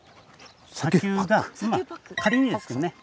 まあ仮にですけどね。